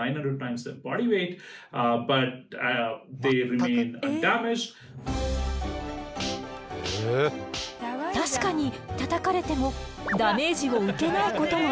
確かにたたかれてもダメージを受けないこともあるわね。